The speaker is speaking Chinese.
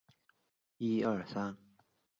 此时日本加紧了对朝鲜的渗透和控制。